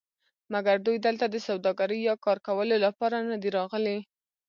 مګر دوی دلته د سوداګرۍ یا کار کولو لپاره ندي راغلي.